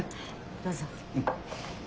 どうぞ。